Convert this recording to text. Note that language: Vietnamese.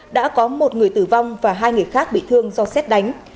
đã có một người tử vong và hai người khác bị thương do xét đánh